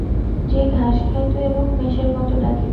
সে ঘাস খাইত এবং মেষের মত ডাকিত।